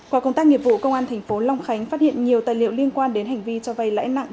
qua công tác nghiệp vụ công an thành phố long khánh phát hiện nhiều tài liệu liên quan đến hành vi cho vay lãi nặng